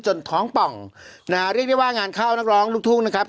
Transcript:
ท้องป่องนะฮะเรียกได้ว่างานเข้านักร้องลูกทุ่งนะครับ